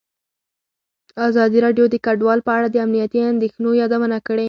ازادي راډیو د کډوال په اړه د امنیتي اندېښنو یادونه کړې.